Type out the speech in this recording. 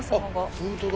本当だ。